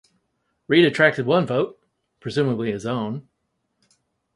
Reid attracted one vote, presumably his own.